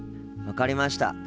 分かりました。